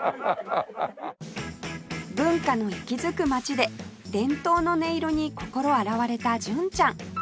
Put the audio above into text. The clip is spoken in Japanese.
文化の息づく街で伝統の音色に心洗われた純ちゃん